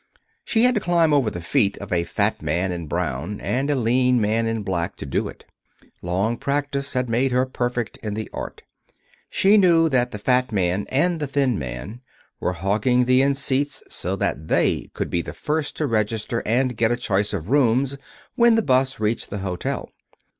She had to climb over the feet of a fat man in brown and a lean man in black, to do it. Long practise had made her perfect in the art. She knew that the fat man and the thin man were hogging the end seats so that they could be the first to register and get a choice of rooms when the 'bus reached the hotel.